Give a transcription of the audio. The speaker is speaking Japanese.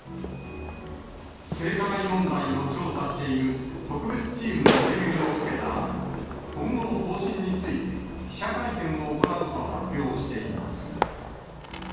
性加害問題を調査している特別チームの提言を受けたあと、今後の方針について記者会見を行うと発表しています。